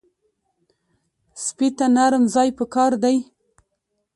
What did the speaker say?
سپي ته نرم ځای پکار دی.